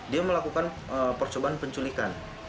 dia melakukan percobaan penculikan